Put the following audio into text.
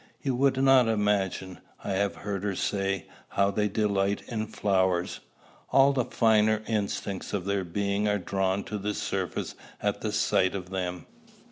"You would not imagine," I have heard her say, "how they delight in flowers. All the finer instincts of their being are drawn to the surface at the sight of them.